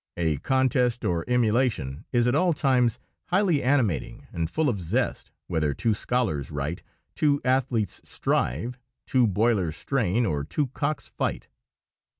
A contest or emulation is at all times highly animating and full of zest, whether two scholars write, two athletes strive, two boilers strain, or two cocks fight.